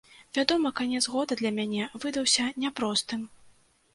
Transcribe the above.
Вядома, канец года для мяне выдаўся няпростым.